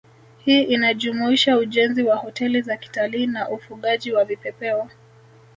Hii inajumuisha ujenzi wa hoteli za kitalii na ufugaji wa vipepeo